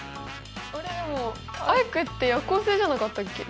でもアイクって夜行性じゃなかったっけ？